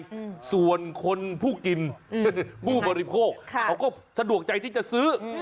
มีสบายใจส่วนคนผู้กินผู้บริโภคเขาก็สะดวกใจที่จะซื้อ